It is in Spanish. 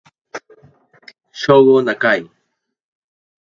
Shogo Nakai